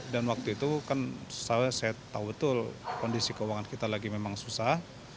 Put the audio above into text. dan waktu itu kan saya tahu betul kondisi keuangan kita lagi memang susah